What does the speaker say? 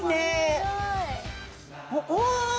すごい！お！